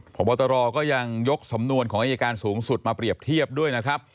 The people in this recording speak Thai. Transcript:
พบตรก็ยังยกสำนวนของอายการสูงสุดมาเปรียบเทียบด้วยนะครับ